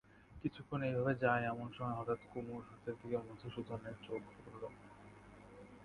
কিছুক্ষণ এইভাবে যায় এমন সময় হঠাৎ কুমুর হাতের দিকে মধুসূদনের চোখ পড়ল।